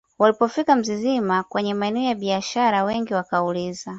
walipofika Mzizima kwenye maeneo ya biashara wengi wakauliza